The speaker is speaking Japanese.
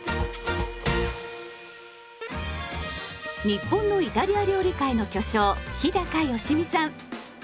日本のイタリア料理界の巨匠日良実さん。